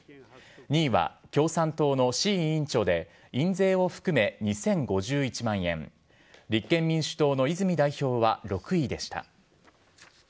２位は共産党の志位委員長で、印税を含め２０５１万円、立憲民主党の泉代表は６位でした。